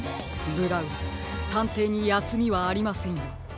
ブラウンたんていにやすみはありませんよ。